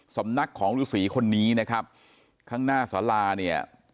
สำนักของฤษีคนนี้นะครับข้างหน้าสาราเนี่ย